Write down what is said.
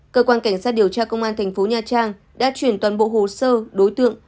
cơ quan cảnh sát điều tra công an tp nha trang đã chuyển toàn bộ hồ sơ đối tượng